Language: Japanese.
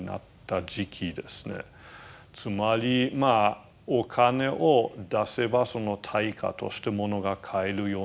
つまりまあお金を出せばその対価として物が買えるようになった。